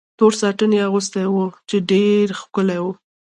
تور ساټن یې اغوستی و، چې ډېر ښکلی و.